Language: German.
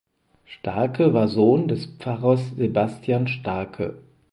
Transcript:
Starcke war Sohn des Pfarrers Sebastian Starcke.